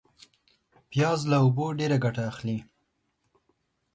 پیاز له اوبو ډېر ګټه اخلي